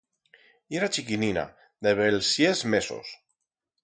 Yera chiquinina, de bells sies mesos.